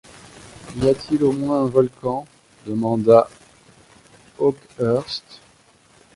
Y a-t-il au moins un volcan ? demanda Oakhurst